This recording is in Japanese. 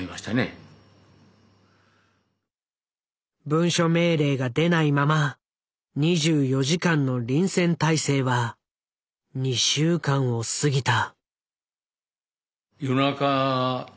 文書命令が出ないまま２４時間の臨戦態勢は２週間を過ぎた。